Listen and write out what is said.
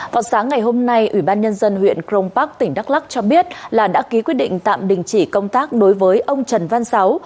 vào sáng ngày hôm nay ủy ban nhân dân huyện crong park tỉnh đắk lắc cho biết là đã ký quyết định tạm đình chỉ công tác đối với ông trần văn sáu